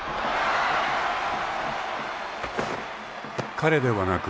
［彼ではなく］